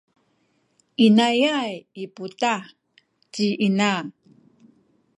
inayay i putah ci ina.